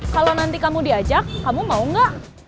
kalo nanti kamu diajak kamu mau gak